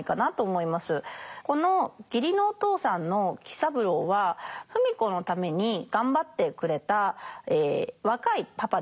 この義理のお父さんの喜三郎は芙美子のために頑張ってくれた若いパパです。